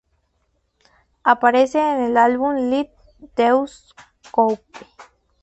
Aparece en el álbum "Little Deuce Coupe".